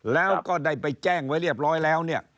แล้วก็ได้ไปแจ้งไว้เรียบร้อยแล้วเนี่ย